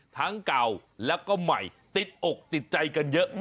เก่าแล้วก็ใหม่ติดอกติดใจกันเยอะ